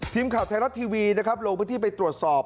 ทีมข่าวไทยรัฐทีวีนะครับลงพื้นที่ไปตรวจสอบ